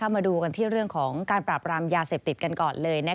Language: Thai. มาดูกันที่เรื่องของการปราบรามยาเสพติดกันก่อนเลย